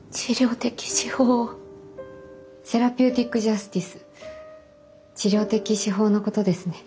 セラピューティック・ジャスティス治療的司法のことですね。